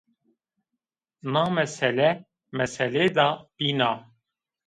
Na mesele meselêda bîn a